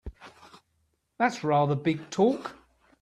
That's rather big talk!